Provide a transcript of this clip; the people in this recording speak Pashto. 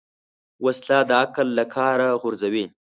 وسله عقل له کاره غورځوي